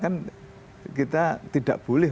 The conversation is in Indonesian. kan kita tidak boleh